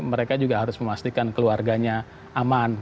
mereka juga harus memastikan keluarganya aman